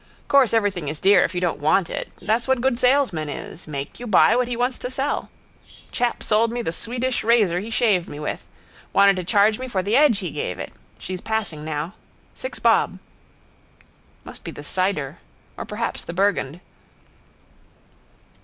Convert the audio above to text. Course everything is dear if you don't want it. That's what good salesman is. Make you buy what he wants to sell. Chap sold me the Swedish razor he shaved me with. Wanted to charge me for the edge he gave it. She's passing now. Six bob. Must be the cider or perhaps the burgund.